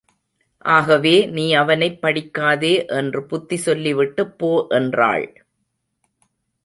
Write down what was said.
ஆகவே, நீ அவனைப் படிக்காதே என்று புத்தி சொல்லிவிட்டுப் போ என்றாள்.